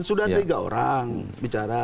sudah tiga orang bicara